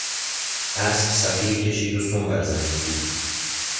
اسب صفیر کشید و سم بر زمین کوفت.